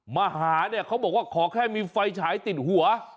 มาหาเนี่ยเขาบอกว่าขอแค่มีไฟฉายติดหัว